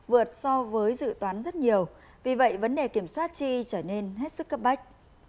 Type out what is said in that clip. vượt so với dự toán rất nhiều vì vậy vấn đề kiểm soát chi trở nên hết sức cấp bách